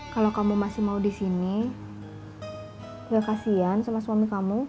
kalau kamu masih mau di sini gak kasian sama suami kamu